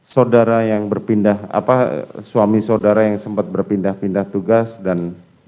saudara yang berpindah suami saudara yang sempat berpindah pindah tugas dan